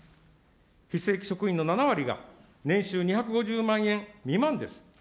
非正規職員の７割が、年収２５０万円未満です。